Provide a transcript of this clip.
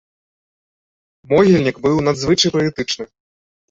Могільнік быў надзвычай паэтычны.